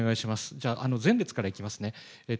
じゃあ、前列からいきますね。